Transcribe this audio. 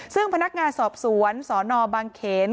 ซึ่งพนักงานสอบสวนสนบางเขน